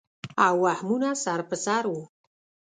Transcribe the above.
او وهمونه سر پر سر وو